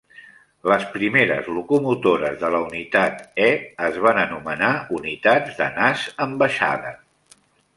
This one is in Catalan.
Les primeres locomotores de la unitat E es van anomenar unitats de "nas en baixada".